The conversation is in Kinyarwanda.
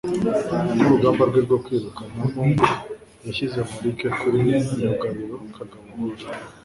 Nkurugamba rwe rwo kwiruka na Monkou, yasize marike kuri myugariro Kagabo Hall